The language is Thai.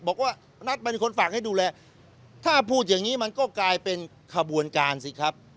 บอกว่านัทมันเป็นคนฝากให้ดูแลถ้าพูดอย่างนี้มันก็กลายเป็นขบวนการสิครับ